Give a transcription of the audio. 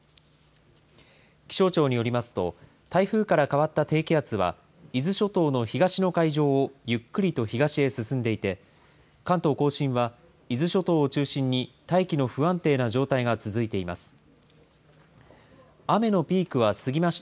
気象庁によりますと、台風から変わった低気圧は伊豆諸島の東の海上をゆっくりと東へ進んでいて、関東甲信は伊豆諸島を中心に大気の不安定な状態が続いています。